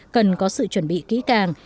cần có sự chuẩn bị kỹ càng